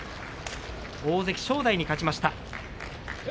大関正代に勝ちました。